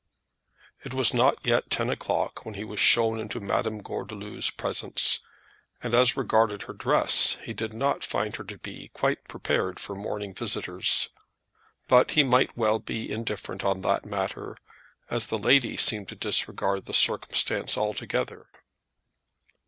It was not yet ten o'clock when he was shown into Madame Gordeloup's presence, and as regarded her dress he did not find her to be quite prepared for morning visitors. But he might well be indifferent on that matter, as the lady seemed to disregard the circumstances altogether.